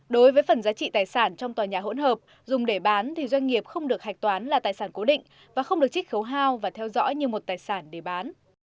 đối với phần giá trị tài sản trong tòa nhà hỗn hợp dùng để bán thì doanh nghiệp không được hạch toán là tài sản cố định và không được trích khấu hao và theo dõi như một tài sản để bán